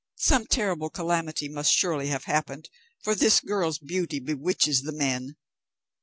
Some terrible calamity must surely have happened, for this girl's beauty bewitches the men."